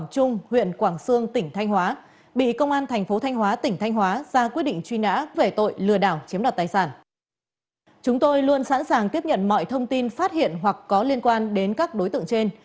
chúng tôi luôn sẵn sàng tiếp nhận mọi thông tin phát hiện hoặc có liên quan đến các đối tượng trên